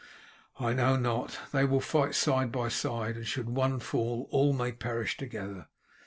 "I know not. They will fight side by side, and should one fall all may perish together.